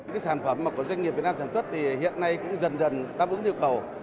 cái sản phẩm mà của doanh nghiệp việt nam sản xuất thì hiện nay cũng dần dần đáp ứng yêu cầu